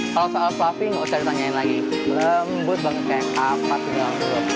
kalau soal fluffy nggak usah ditanyain lagi lembut banget kayak apa segala macam